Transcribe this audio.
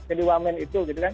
jadi wah main itu